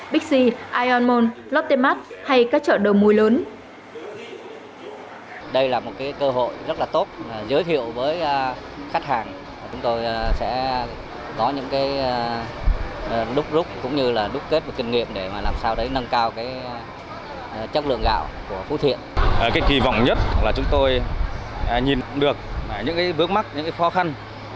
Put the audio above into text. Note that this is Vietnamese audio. bixi ironmon lotte mart hay các chợ đầu mùi lớn